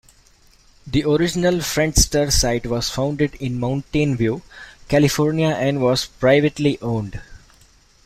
The original Friendster site was founded in Mountain View, California and was privately owned.